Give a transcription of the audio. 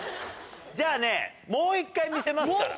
じゃあねもう１回見せますから。